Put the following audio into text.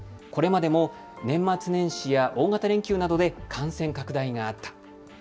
これまでも年末年始や大型連休などで感染拡大があった。